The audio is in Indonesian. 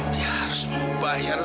dia harus membayar